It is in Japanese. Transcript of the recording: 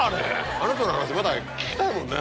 あの人の話まだ聞きたいもんね。